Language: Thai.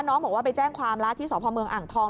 น้องบอกว่าไปแจ้งความละที่สพเมืองอ่างทอง